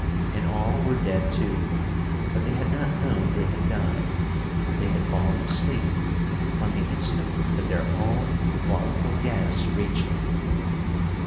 And all were dead too. But they had not known they had died. They had fallen asleep upon the instant that their own volatile gas reached them.